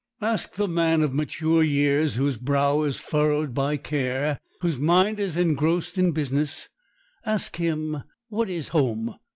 Ask the man of mature years, whose brow is furrowed by care, whose mind is engrossed in business,—ask him what is home.